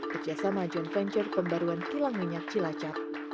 kerjasama joint venture pembaruan kilang minyak cilacap